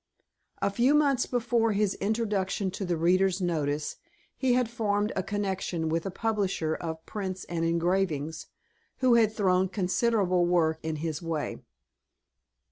A few months before his introduction to the reader's notice, he had formed a connection with a publisher of prints and engravings, who had thrown considerable work in his way.